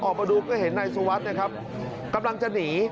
ออกมาดูก็เห็นนายสุวัสดิ์นะครับกำลังจะหนี